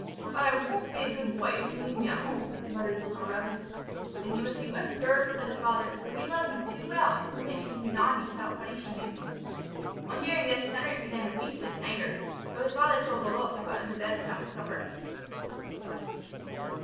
"But I won't be a good boy, if you leave me at home," muttered the little rebel. "Then you must be whipped, sir," said his father; "for we love you too well to permit you to be naughty without punishing you." On hearing this, Henric began to weep with anger. So his father told Lalotte to put him to bed without his supper.